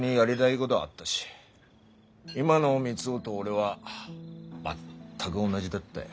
今の三生と俺は全く同じだったよ。